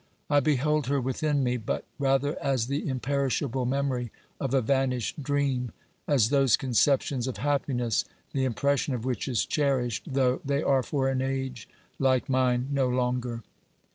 I beheld her within me, but rather as the imperishable memory of a vanished dream, as those conceptions of happiness the impression of which is cherished, though they are for an age like mine no longer.